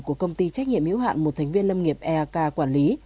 của công ty trách nhiệm hiếu hạn một thánh viên lâm nghiệp ek quản lý